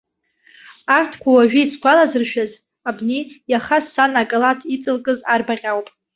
Арҭқәа уажәы исгәалазыршәаз абни иаха сан акалаҭ иҵалкыз арбаӷь ауп.